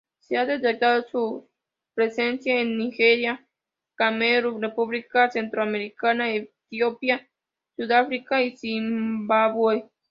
Se ha detectado su presencia en Nigeria, Camerún, República Centroafricana, Etiopía, Sudáfrica y Zimbabue.